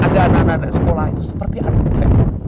ada anak anak sekolah itu seperti anak saya